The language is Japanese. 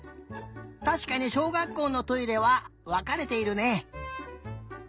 たしかにしょうがっこうのトイレはわかれているね。